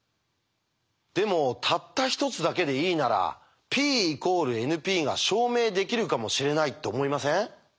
でもたった一つだけでいいならＰ＝ＮＰが証明できるかもしれないと思いません？